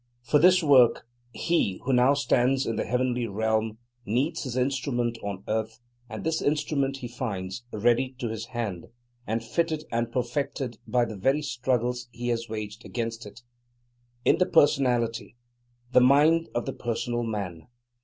For this work, he, who now stands in the heavenly realm, needs his instrument on earth; and this instrument he finds, ready to his hand, and fitted and perfected by the very struggles he has waged against it, in the personality, the "mind," of the personal man.